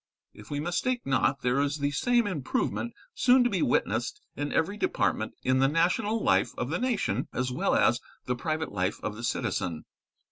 If we mistake not, there is the same improvement soon to be witnessed in every department, in the national life of the nation as well as the private life of the citizen.